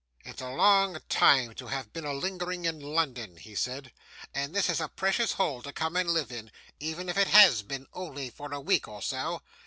'It's a long time to have been a lingering in London,' he said; 'and this is a precious hole to come and live in, even if it has been only for a week or so.